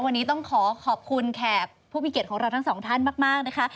วันนี้ต้องขอขอบคุณแขกผู้มีเกียรติของเราทั้งสองท่านมากนะคะ